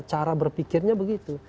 cara berpikirnya begitu